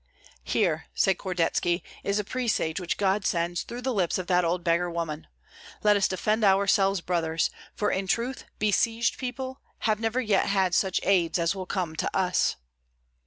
"Here," said Kordetski, "is the presage which God sends through the lips of that old beggar woman. Let us defend ourselves, brothers; for in truth besieged people have never yet had such aids as will come to us."